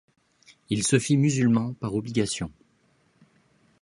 Il se fit musulman, par obligation.